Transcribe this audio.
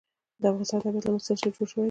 د افغانستان طبیعت له مس څخه جوړ شوی دی.